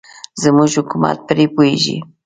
زموږ حکومت پرې پوهېږي.